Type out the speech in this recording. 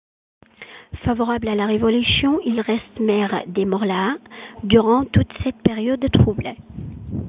Favorable à la Révolution, il reste maire de Morlaàs durant toute cette période troublée.